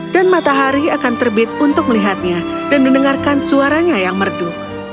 dan mendengarkan suaranya yang merdu